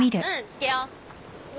つけよう。